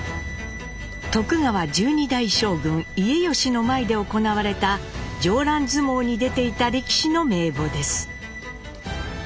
徳川１２代将軍家慶の前で行われた上覧相撲に出ていた力士の名簿です。